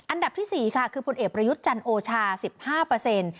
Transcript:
อันดับที่๔ค่ะคือพลเอกประยุทธ์จันโอชา๑๕เปอร์เซ็นต์